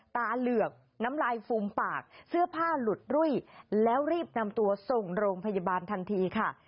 ตาเหลือกน้ำลายฟูมปากเสื้อผ้าหลุดรุ่ยแล้วรีบนำตัวส่งโรงพยาบาลทันทีค่ะ